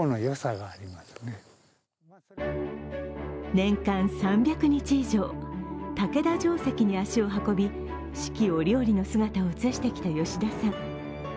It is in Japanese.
年間３００日以上、竹田城跡に足を運び、四季折々の姿を写してきた吉田さん。